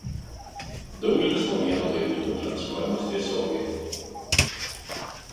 Daugelis naujienų laidų transliuojamos tiesiogiai.